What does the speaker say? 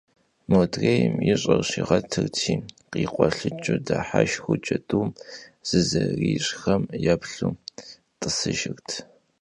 Modrêymi yiş'er şiğetırti, khikhuelhıç'ıu dıheşşxıu, cedum zerıziş'xem yêplhu t'ısıjjırt...